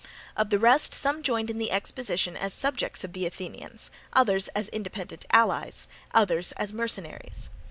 Of the rest some joined in the expedition as subjects of the Athenians, others as independent allies, others as mercenaries.